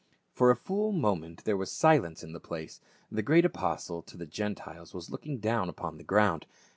For a full moment there was silence in the place ; the great apostle to the Gentiles was looking down upon the ground.